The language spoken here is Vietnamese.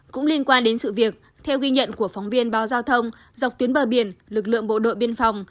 cũng liên quan đến sự việc theo ghi nhận của phóng viên báo giao thông dọc tuyến bờ biển lực lượng bộ đội biên phòng